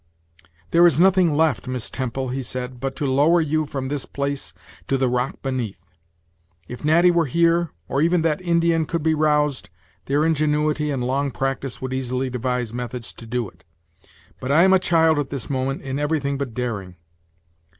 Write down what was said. "There is nothing left, Miss Temple," he said, "but to lower you from this place to the rock beneath. If Natty were here, or even that Indian could be roused, their ingenuity and long practice would easily devise methods to do it; but I am a child at this moment in everything but daring.